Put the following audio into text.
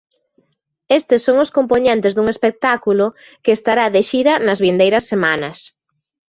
Estes son os compoñentes dun espectáculo que estará de xira nas vindeiras semanas.